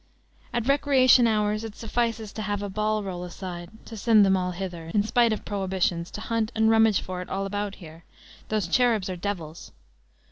At recreation hours it suffices to have a ball roll aside, to send them all hither, in spite of prohibitions, to hunt and rummage for it all about here. Those cherubs are devils."